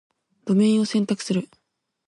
ドメインを選択する